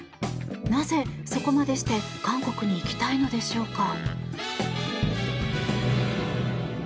なぜ、そこまでして韓国に行きたいのでしょうか。